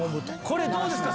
これどうですか？